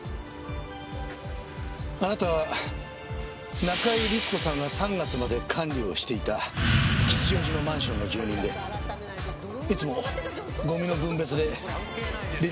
あなたは中井律子さんが３月まで管理をしていた吉祥寺のマンションの住人でいつもゴミの分別で律子さんともめていましたね。